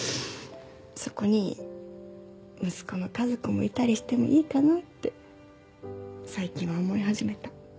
そこに息子の家族もいたりしてもいいかなって最近は思い始めた。